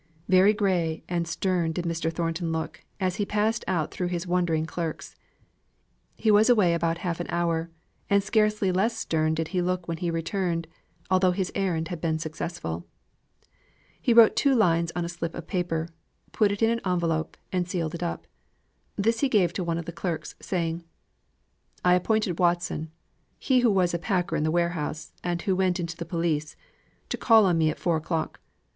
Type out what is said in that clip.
Very gray and stern did Mr. Thornton look, as he passed out through his wondering clerks. He was away about half an hour; and scarcely less stern did he look when he returned, although his errand had been successful. He wrote two lines on a slip of paper, put it in an envelope, and sealed it up. This he gave to one of the clerks, saying: "I appointed Watson he who was a packer in the warehouse, and who went into the police to call on me at four o'clock.